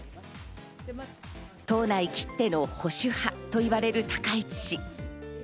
党内きっての保守派といわれる高市氏。